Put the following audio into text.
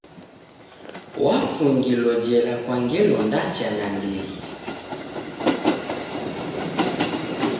Wafungilo jela kwa ngelo ndacha nandighi.